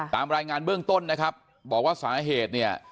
ตามรายงานเบื้องต้นนะครับบอกว่าสาเหตุเนี่ย